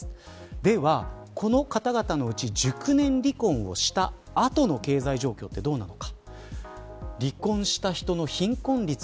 では、この方々のうち熟年離婚をしたあとの経済状況はどうなのか。